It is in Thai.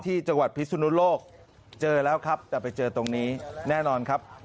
ที่จังหวัดพิศนุโลกเจอแล้วครับแต่ไปเจอตรงนี้แน่นอนครับ